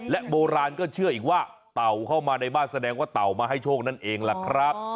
โบราณก็เชื่ออีกว่าเต่าเข้ามาในบ้านแสดงว่าเต่ามาให้โชคนั่นเองล่ะครับ